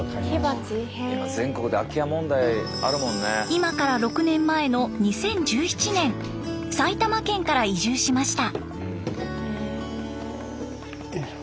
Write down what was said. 今から６年前の２０１７年埼玉県から移住しました。